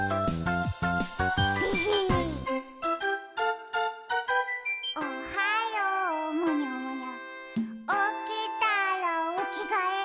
でへへ「おはようむにゃむにゃおきたらおきがえ」